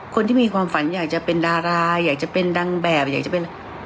คนที่มีความฝันอยากจะเป็นดาราอยากจะเป็นนางแบบอยากจะเป็น